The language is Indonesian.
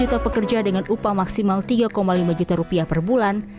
menyasar rp enam belas juta pekerja dengan upah maksimal rp tiga lima juta per bulan